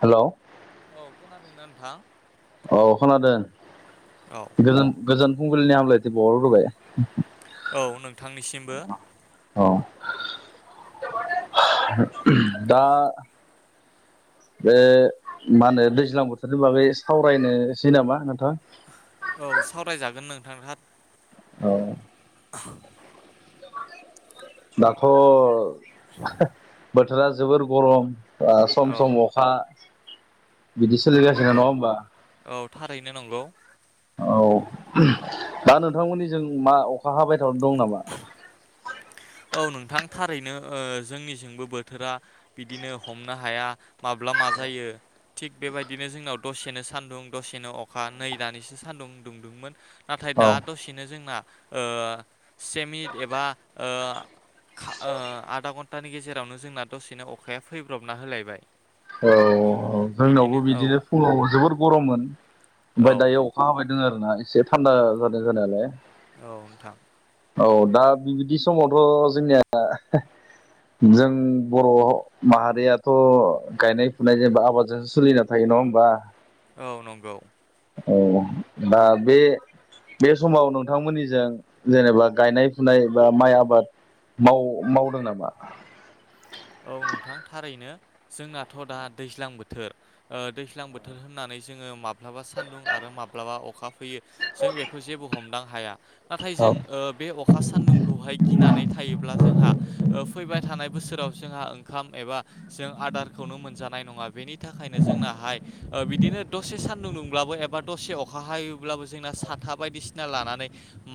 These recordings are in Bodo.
हेल' औ खोनादोंना नोंथां औ खोनादों औ गोज गोजोन फुंबिलिनि हामलायदों औ नोंथांनिसिमबो [unintelligible] अ दा [inaudible] बे मा होनो दैज्लां बोथोरनि बागै सावरायनोसै नामा नोंथां औ सावरायजागोन नोंथांहाा औ [inaudible] दाथ' बोथोरा जोबोर गरम सम औ सम अखा बिदि सोलिगासिनो नंगौ नङा होमबा औ थारैनो नंगौ औ दा नोंथांमोननि जों मा अखा हाबाय थ दं नामा औ नोंथां थारैनो जोंनिजोंंबो बोथोरा बिदिनो हमनो हाया माब्ला माब मा जायो थिग बेबायदिनो जोंनाव दसेनो सान्दुं दसेनो अखा नै दनानैसो सान्दुं दुं दुंमोन नाथाय दा औ दसेनो जोंना सेमिट एबा आधा घन्टानि गेजेरावनो जोंना दसेनो अखाया फैब्रबना होलायबाय औ जोंनावबो औ बिदिनो फुङाव जोबोर गरममोन औ ओमफ्राय दायो अखा हाबाय जादों आरो ना एसे थान्दा जादों जानायालाय औ नोंथां औ दा बिबायदि समावथ' जोंनिया जों बर' माहारियाथ' गायनाय फुनाय जेनेबा आबादजोंसो सोलिना थायो नङा होमबा औ नंगौ औ दा बे बे समाव नोंथांमोननिजों जेनेबा गायनाय फुनाय बा माइ आबाद माव मावदों नामा औ नोंथां थारैनो जोंनाथ' दा दैज्लां बोथोर दैज्लां बोथोर होननानै जोङो माब्लाबा सान्दुं आरो माब्लाबा अखा फैयो जों बेखौ जेबो हमदांनो हाया नाथाय जों औ बे अखा सान्दुंखौहाय गिनानै थायोब्ला जोंहा फैब थानाय बोसोराव जोंहा ओंखाम एबा जों आदारखौनो मोनजानाय नङा बेनि थाखायनो जोंनाहाय बिदिनो दसे सान्ानदुं दुंब्लाबो एबा दसे अखा हायोब्लाबो जोंना साथा बायदिसिना लानानै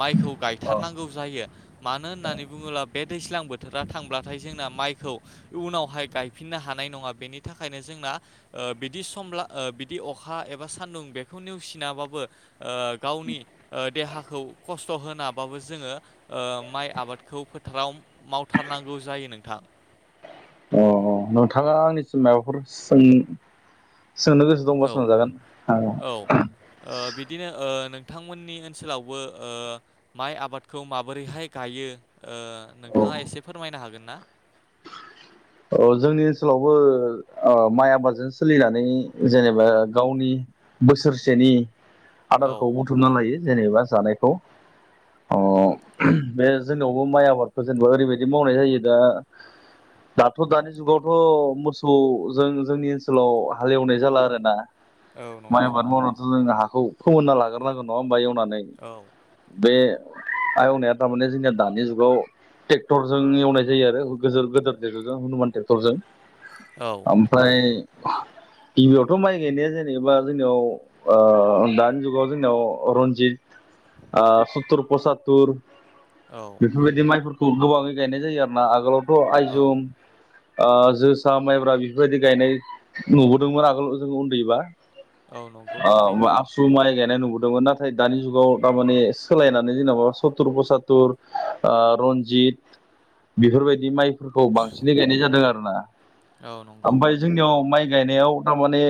माइखौ खौ औ गायथारनांगौ जायो मानो होननानै बुङोब्ला बे दैज्लां बोथोरा थांब्लाथाय जोंना माइखौ उनावहाय गायफिननो हानाय नङा बेनि थाखायनो जोंना बिदि समब्ला बिदि अखा अखाा एबा सान्दुं बेखौ नेवसिनाबाबो गावनि देहाखौ खस्थ' होनांग ाबाबो जोङो माइ आबादखौ फोथाराव मावथारनांगौ जायो नोंथां अ नोंथाङा आंनिसिम माबाफोर सों सोंनो गोसो दंबा औ सोंजागोन औ ओ बिदिनो ओ नोंथांमोननि ओनसोलावबो माइ आबादखौ माबोरैहाय गायो औ नोंथां आंहा एसे फोरमायनो हागोन ना औ जोंनि ओनसोलावबो ओ माइ आबादजों सोलिनानै जेनेबा गावनि बोसोरसेनि औ आदारखौ बुथुमना लायो जेनेबा जानायखौ अ बे जोंनियावबो माइ आबादखौ जेनेबा ओरैबायदि मावनाय जायो दा [inaudible] दाथ' दानि जुगावथ' मोसौ जों जोंनि ओनसोलाव हालेवनाय जाला आरोना औ माइ नंगौ आबाद मावनायथ' जों हाखौ फोमोनना लाग्रोनांगोन नङा एवनानै औ बे एवनाया थारमाने जोंनिया दानि जुगाव ट्रेक्टरजों एवनाय जायो आरो गोदोर गोदेर ट्रेक्टरजों हनुमान ट्रेक्टरजों ओमफ्राय ओम गिबियावथ' माइ गायनाया जेनेबा जोंनियाव ओ दानि जुगाव जोंनिाव रनजित आ सततचर पसात्तुर औ बेफोरबायदि माइफोरखौ गोबाङै गायनाय जायो आरो ना आगोलावथ' औ आइजं ओ जोसा माइब्रा बेफोरबायदि गायनाय नुबोदोंमोन आगोलाव जों उनदैबा औ नंगौ अ थारैनो आसु माइ गायनाय नाय नुबोदोंमोन नाथाय दानि जुगाव थारमाने सोलायनानै सथुर फसाथुर ओ रनजित रनजित बेफोरबायदि माइ फोरखौ बांसिनै गायनाय जादों आरोना औ नंगौ ओमफ्राय जोंनियाव माइ गायनायाव थारमे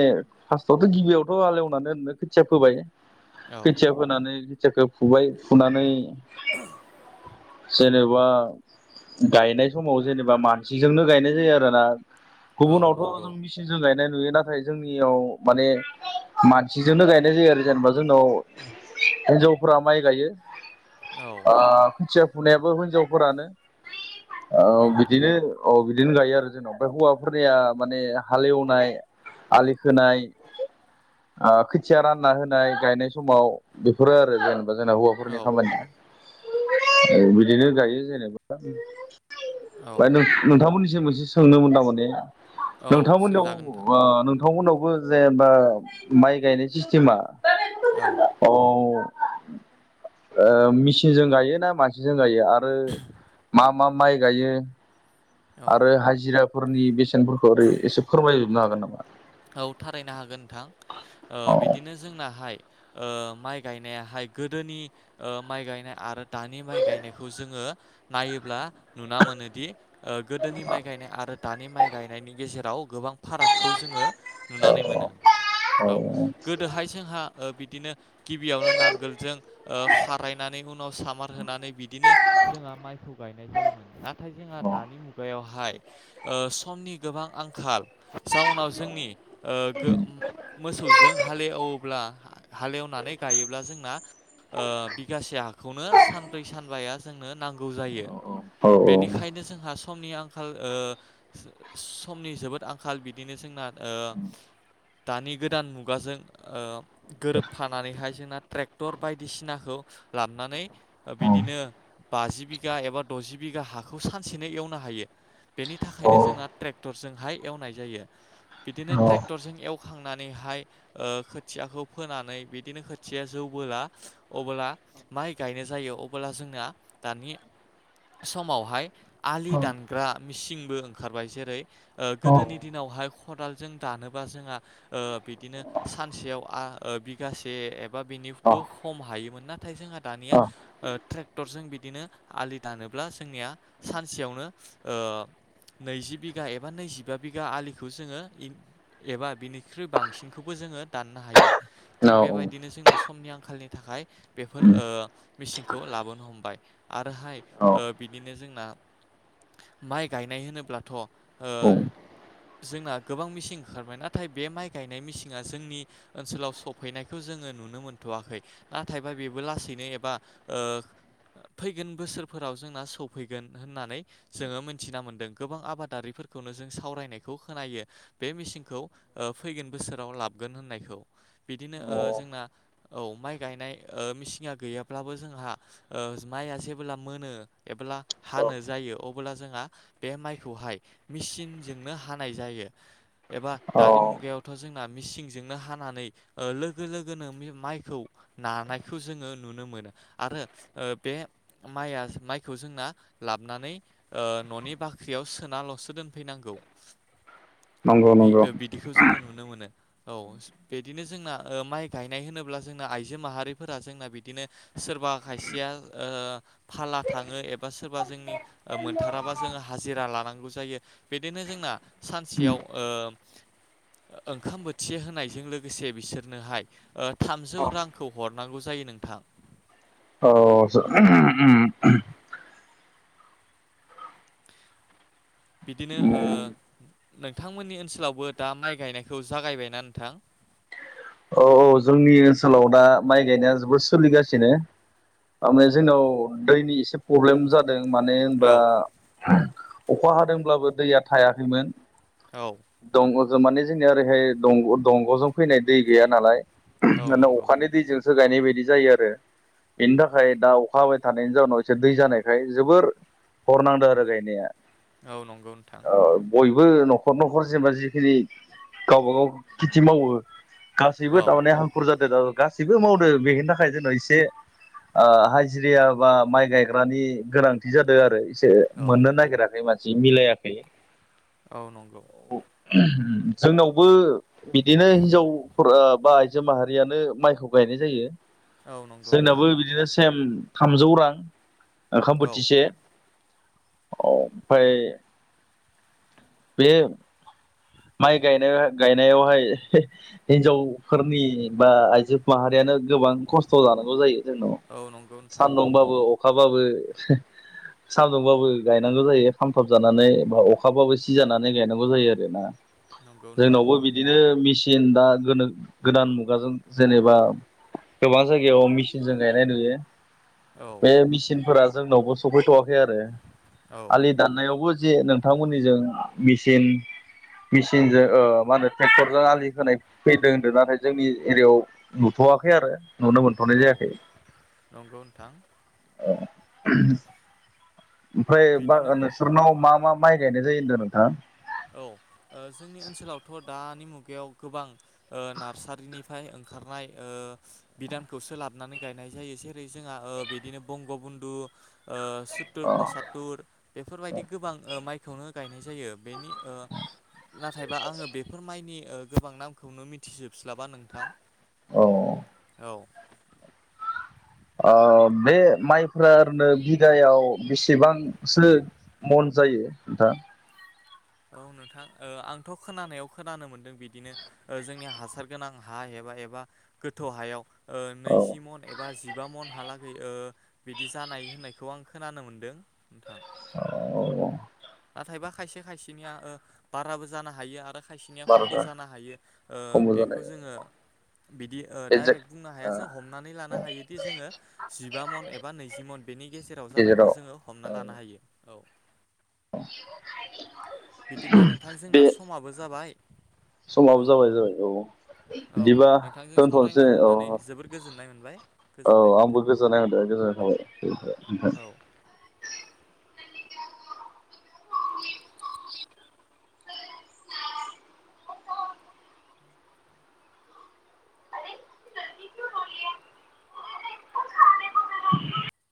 फार्स्टआवथ' गिबियावथ' हालेवनानै होननो खोथिया फोबाय औ खोथिया फोनानै खोथियाखौ फुबाय फुनानै जेनेबा गायनाय समाव जेनेबा मानसिजोंनो गायनाय जायो आरोना औ गुबुनावथ' नंगौ जों मिचिनजों गायनाय नुयो नाथाय जोंनियाव माने मानसिजोंनो गायनाय जायो आरो जेनेबा जोंनाव हिनजावफोरा माइ गायो औ ओ खोथिया फुनायाबो हिनजावफोरानो नंगौ नोंथां बिदिनो औ बिदिनो गायो आरो जोंनाव ओमफ्राय हौवाफोरनिया माने हालेवनाय आलि औ खोनाय आ खोथिया रानना होनाय गायनाय समाव बेफोरो आरो जेनेबा जोंना हौवाफोरनि औ खामानिया बिदिनो गायो जेनेबा औ नोंथांमोननिसिम एसे [unintelligible] सोंनोमोन [unintelligible] थारमाने औ [unintelligible] नोंथांमोननियाव सोंजागोन नोंथां नोंथांमोनावबो जेनेबा माइ गायनाय सिस्टेमा औ [unintelligible] ओ मिचिनजों गायो ना मानसिजों गायो आरो मा मा माइ गायो औ आरो हाजिराफोरनि बेसेनफोरखौ ओरै एसे फोरमायजोबनो हागोन नामा औ थारैनो हागोन औ नोंथां बिदिनो जोंनाहाय ओ माइ गायनायाहाय गोदोनि माइ गायनाय आरो दानि माइ गायनायखौ जोङो नायोब्ला नुना मोनोदि ओ गोदोनि माइ गायनाय आरो दानि माइ गायनायनि गेजेराव गोबां फारागखौ जोङो नुनानै मोनो औ गोदोहाय जोंहा ओ बिदिनो गिबियावनो नांगोलजों ओ खारायनानै उनाव सामार होनानै बिदिनो जोंहा माइ गायनाय जायोमोन नाथाय जोंहा दानि मुगायाव बेहाय ओ समनि गोबां आंखाल जाउनाव जोंनि ओ मोसौजों हालेवोब्ला हालेवनानै गायोब्ला जोंना ओ बिगासे हाखौनो सानब्रै सानबाया जोंनो नांगौ जायो औ बेनिखायनो जोंहा समनि आंखाल ओ समनि जोबोद आंखाल बिदिनो जोंना ओ दानि गोदान मुगाजों ओ गोरोबफानानैहाय जोंना ट्रेक्टर बायदिसिनाखौ लाबोनानै बिदिनो औ बाजि बिघा एबा द'जि बिघा हाखौ सानसेनो एवनो ह यो बेनि थाखायनो जोंना ट्रेक्टरजोंहाय एवनाय जायो बिदिनो ट्रेक्टरजों एवखांनानैहाय ओ खोथियाखौ फोनानै बिदिनो खोथिया जौबो ब्ला अब्ला माइ गायनो जायो अबोला जोंना दानि समावहाय आलि औ दानग्रा मिसिंबो ओंखारबाय जेरै ओ गोदोनि दिनावहाय खदालजों दानोबा जोंहा ओ बिदिनो सानसेयाव आ ओ बिगासे बेनिबो खम हायोमोन नाथाय जोंहा दानिया ट्रेक्टरजों बिदिनो आलि दानोब्ला जोंनिया सानसेयावनो ओ नैजि बिगा एबा नैजिबा बिगा आलिखो जोङो एबा बिनिख्रुइ बांसिनखौबो जोङो दाननो हायो थिग बेबायदिनो जोंना समनि आं आंखालनि थाखाय बेफोर ओ मेचिनखौ लाबोनो हमबाय आरोहाय औ ओ बिदिनो जोंना माइ गायनाय होनोब्लाथ' ओ जोंना गोबां मिसिं ओंखारबाय नाथाय बे माइ गायनाय मिसिङा जोंनि ओनसोलाव सफैनायखौ जोङो नुनो मोनथ'वाखै नाथायबा बेबो लासैनो एबा फैगोन बोसोरफोराव जोंना सौफैगोन होननानै जोङो मिथिना मोनदों गोबां आबादारि फोरखौनो जों सावरायनाय खोनायो बे मेसिनखौ ओ फैगोन बोसोराव लाबगोन होननायखौ बिदिनो जों जोंना औ माइ गायनाय ओ मेसिङा गैयाब्लाबो जोंहा माइआ जेबोब्ला मोनो एब्ला हानो जायो अब्ला जोंहा बे माइखौहाय मिचिन जों नो हानाय जायो एबा दानि मुगायावथ'जोंना मिेसिंजोंनो हानानै ओ लोगो लोगोनो माइखौ नानायखौ जोङो नुनो मोनो आरो ओ बे माइया माइखौ जोंना लाबनानै न'नि बाख ख्रियाव सोनाल'सो दोनफैनांगौ नंगौ बि नंगौ इ बिदिखौ जोङो नुनो मोनो औ बिदिनो जोंना ओ माइ गायनाय होनोब्ला जोंना आइजो माहारिफोरा जोंना बिदिनो सो बा खायसेया ओ फाला थाङो एबा सोरबा जोंनि मोनथाराबा जोङो हाजिरा लानांगौ जायो बिदिनो जोंना सानसेयाव ओ ओंखाम बोथि होनायजों लोगोसे बिसोरनोहाय ओ औ थामजौ रांखौ हरनांगौ जायो। नोंथां अ [unintelligible] बिदिनो ओ नोंथांमोननि ओनसोलावबो दा माइ गायनायखौ जागायबायना नोंथां? औ औ जोंनि ओनसोलाव दा माइ गायनाया जोबोद सोलिगासिनो। थारमाने जोंनाव दैनि एसे प्रब्लेम जादों माने होनबा औ अखा हादोंब्लाबो दैया थायाखैमोन औ दं माने जोंनिया ओरैहाय दंग' दंग'जों फैनाय दै गैया नालाय औ मा नंगौ अखानि दैजोंसो गायनाय बायदि जायो आरो बेनि थाखाय दा अखा हाबाय थानायनि जाउनाव एसे दै जानायखाय जोबोर अरनांदो आरो गायनाया औ नंगौ नोंथां बयबो न'खर न'खर जेनेबा जिखिनि गावबा गाव खेथि मावो गासैबो औ तारमाने हांखुर जादों दा गासैबो मावदो बेनि थाखाय जोङो एसे ओ हाजिरिया बा माइ गायग्रानि गोनांथि जादों आरो औ मोननो नागिराखै मानसि मिलायाखै औ नंगौ जोंनावबो बिदिनो हिनजावफोर ओ बा आइजो माहारियानो माइखौ गायनाय जायो औ नंगौ जोंनाबो नोंथां बिदिनो सेम थामजौ रां ओंखाम औ बोथिसे अ ओमफ्राय बे माइ गायनाय गायनायावहाय हिनजावफोरनि बा आइजो माहारियानो गोबां खस्थ' जानांगौ जायो जोंनाव औ नंगौ नोंथां सान्दुंबाबो अ खाबाबो सानदुंबाबो गायनांगौ जायो फामथाब जानानै बा अखाबाबो सि जानानै गायनांगौ जायो आरोना नंगौ नोंथां जोंनावबो बिदिनो मि सिन दा गोनो-गोदान मुगाजों जेनेबा गोबां जायगायाव मेचिनजों गायनाय नुयो। औ बे मेचिनफोरा जोंनावबो सफैथ'वाखै आरो औ आलि दाननायावबो जे नोंथांमोननिजों मेचिन मेसिनजों ओ मा होनो ट्रेक्टरजों आलि खोनाय फैदो होनदो नाथाय जोंनि एरियायाव नुथ' वाखै आरो। नुनो मोनथ'नाय औ जायाखै। नंगौ नोंथां ओमफ्राय बा बिदिनो नोंसोरनाव मा मा माइ गायनाय जायो होनदों नोंथां? औ ओ जोंनि ओनसोलावथ' दा नि मुगायाव गोबां ओ नार्सारिनिफ्राय ओंखारनाय ओ बिदानखौसो लाबोनानै गायनाय जायो जेरै जोंहा ओ बिदिनो बंग बधु ओ सुतुर अ पसात्तुर बेफोर बायदि गोबां ओ माइखौनो गायनाय जायो बेनि ओ नाथायबा आङो बेफोर माइनि ओ गोबां नामखौनो मिथिजोब स्लाबा नोंथां। औ औ ओ बे माइफ्रा ओरिनो बिगायाव बेसेबांसो मन जायो नोंथां? औ नोंथां ओ आंथ' खोनानायाव खोनानो मोनदों बिदिनो ओ जोंनि हासार गोनां हा ए बा गोथौ हायाव ओ औ नैजि मन एबा जिबा मन हालागै ओ बिदि जानाय होननायखौ आं खोनानो मोनदों नोंथां। औ नाथाइबा खायसे खायसेनिया ओ बाराबो जानो हायो आरो खायसेनिया खमबो बार'था जानो हायो ओ खमबो जानाय बेखौ जोङो बिदि ओ एजेक्ट डाइरेक्ट बुंनो हाया ओ जों हमनानै लानो हायोदि जोङो जिबा मन एबा नैजि मन बेनि गेजेराव जानायखौ जोङो हमना औ लानो हायो औ [unintelligible] बिदिब्ला नोंथां बे जोंना समाबो जाबाय समाबो औ जाबाय जाबाय औ। औ बिदिबा नोंथांजों दोनथ'नोसै सावरायनो औ मोननानै जोबोर गोजोननाय मोनबाय औ गोजोननाय आंबो थाथों। गोजोननाय औ [unintelligible] [inaudible]